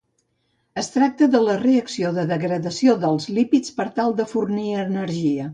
Es tracta de la reacció de degradació dels lípids per tal de fornir energia.